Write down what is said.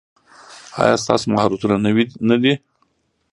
ایا ستاسو مهارتونه نوي نه دي؟